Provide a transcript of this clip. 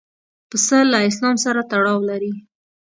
پسه له اسلام سره تړاو لري.